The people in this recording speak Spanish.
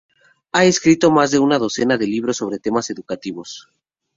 Ha escrito más de una decena de libros sobre temas educativos.